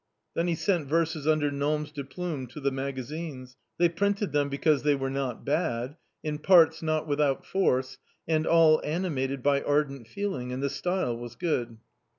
Then he sent verses under noms de plume to the magazines. They printed them because they were not bad, in parts not without force, and all animated by ardent feeling, and the style was good.